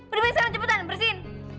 udah bingit sekarang cepetan bersihin